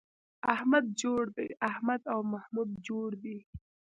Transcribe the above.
احمد جوړ دی → احمد او محمود جوړ دي